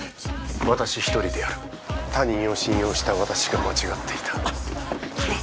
私一人でやる他人を信用した私が間違っていたあっ